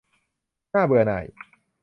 น่าเบื่อหน่าย